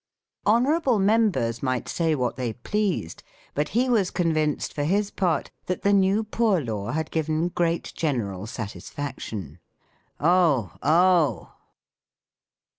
" Honorable Members might say what they pleased ; but he was convinced, for liis part, tliat the New Poor Law had given great general satisfaction." " Oh ! oh